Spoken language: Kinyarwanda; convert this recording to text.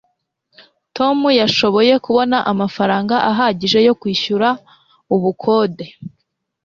tom yashoboye kubona amafaranga ahagije yo kwishyura ubukode